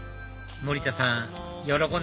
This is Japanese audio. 森田さん